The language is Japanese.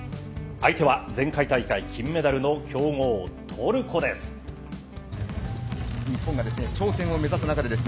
相手は前回大会、金メダルの強豪トルコです。